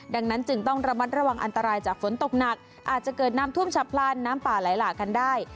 ดังนั้นจึงต้องระมัดระวังอันตรายจากฝนตกหนักอาจจะเกิดน้ำท่วมฉับพลันน้ำป่าไหลหลากกันได้